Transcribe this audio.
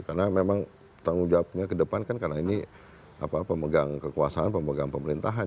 karena memang tanggung jawabnya ke depan kan karena ini pemegang kekuasaan pemegang pemerintahan